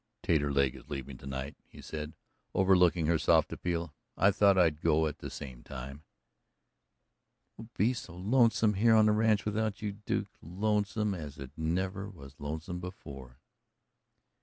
"Taterleg is leaving tonight," he said, overlooking her soft appeal. "I thought I'd go at the same time." "It will be so lonesome here on the ranch without you, Duke lonesome as it never was lonesome before."